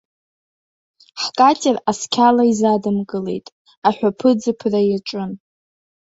Ҳкатер асқьала изадымгылеит, аҳәыԥыӡыԥра иаҿын.